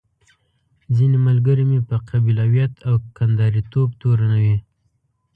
ځينې ملګري مې په قبيلويت او کنداريتوب توروي.